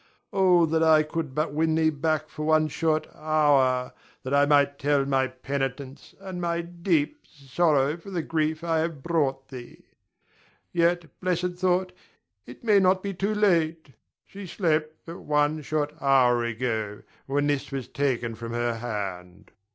Oh, that I could but win thee back for one short hour, that I might tell my penitence and my deep sorrow for the grief I have brought thee. Yet, blessed thought, it may not be too late. She slept but one short hour ago, when this was taken from her hand.